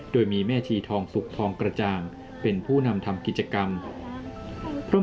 โดยมีแม่ชีทองสุกทองกระจ่างเป็นผู้นำทำกิจกรรม